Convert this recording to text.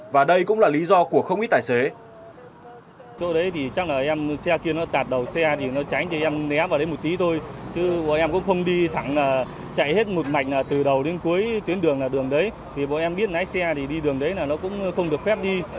và đây cũng là lý do của không ít tài xế